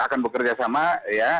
akan bekerja sama ya